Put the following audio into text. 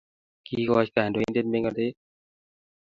kikoch kandoindet mengotet